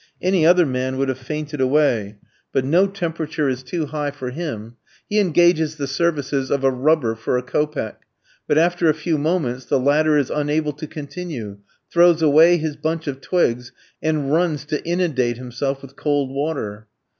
Any other man would have fainted away, but no temperature is too high for him; he engages the services of a rubber for a kopeck, but after a few moments the latter is unable to continue, throws away his bunch of twigs, and runs to inundate himself with cold water.